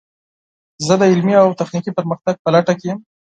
زه د علمي او تخنیکي پرمختګ په لټه کې یم.